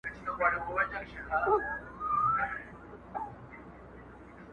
د مال، عزت او د سرونو لوټماران به نه وي؛